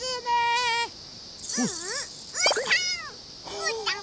うーたん